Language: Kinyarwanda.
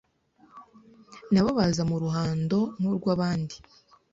nabo baza mu ruhando nkurwabandi